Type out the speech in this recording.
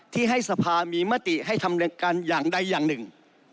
ที่ให้สภามีมติให้ทำการอย่างใดอย่างหนึ่ง